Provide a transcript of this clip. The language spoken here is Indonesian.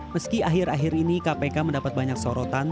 meski akhir akhir ini kpk mendapat banyak sorotan